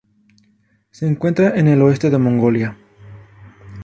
Se encuentra al oeste de Mongolia.